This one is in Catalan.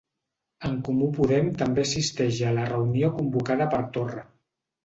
En Comú Podem també assisteix a la reunió convocada per Torra